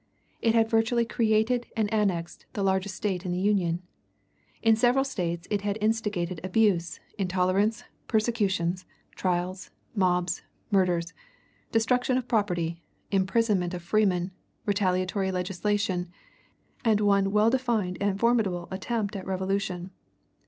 It had virtually created and annexed the largest State in the Union. In several States it had instigated abuse, intolerance, persecutions, trials, mobs, murders, destruction of property, imprisonment of freemen, retaliatory legislation, and one well defined and formidable attempt at revolution.